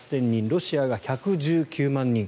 ロシアが１１９万人。